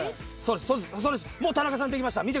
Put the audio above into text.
もう田中さんできました